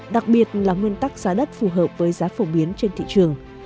đặc biệt là nguyên tắc giá đất phù hợp với giá phổ biến trên thị trường